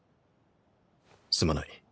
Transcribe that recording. すまない。